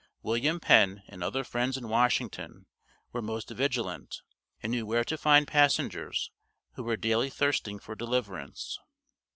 "William Penn" and other friends in Washington were most vigilant, and knew where to find passengers who were daily thirsting for deliverance.